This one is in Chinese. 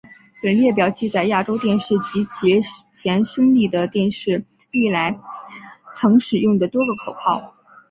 本列表记载亚洲电视及其前身丽的电视历年来曾使用的多个口号。